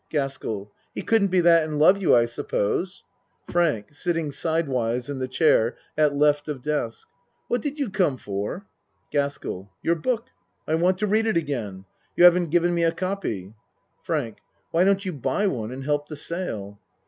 GASKELL He couldn't be that and love you, I suppose ? FRANK (Sitting sideu'ise in the chair at L. of desk.) What did you come for? GASKELL Your book. I want to read it again. You haven't given me a copy. FRANK Why don't you buy one and help the sale?